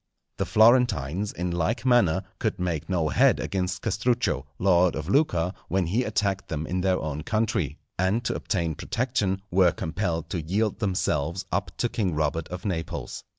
The Florentines, in like manner, could make no head against Castruccio, lord of Lucca, when he attacked them in their own country; and to obtain protection, were compelled to yield themselves up to King Robert of Naples.